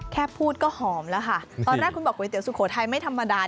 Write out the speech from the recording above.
แค่พูดก็หอมแล้วค่ะตอนแรกคุณบอกก๋วยเตี๋สุโขทัยไม่ธรรมดา